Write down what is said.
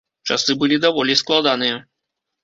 Часы былі даволі складаныя.